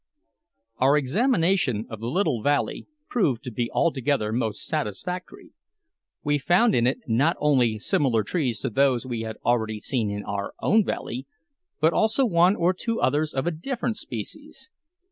Our examination of the little valley proved to be altogether most satisfactory. We found in it not only similar trees to those we had already seen in our own valley, but also one or two others of a different species.